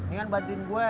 inikan bantuin gue